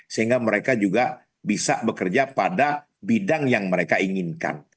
sehingga mereka juga bisa bekerja pada bidang yang mereka inginkan